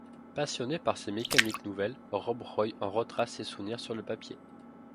Passionné par ces mécaniques nouvelles, Rob Roy en retrace ses souvenirs sur le papier.